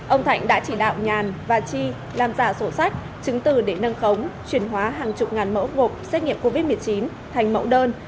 ông thạnh đã chỉ đạo nhàn và chi làm giả sổ sách chứng từ để nâng khống chuyển hóa hàng chục ngàn mẫu gộp xét nghiệm covid một mươi chín thành mẫu đơn